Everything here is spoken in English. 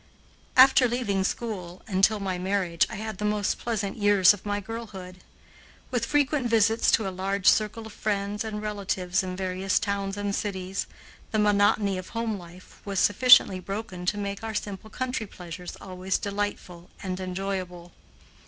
After leaving school, until my marriage, I had the most pleasant years of my girlhood. With frequent visits to a large circle of friends and relatives in various towns and cities, the monotony of home life was sufficiently broken to make our simple country pleasures always delightful and enjoyable.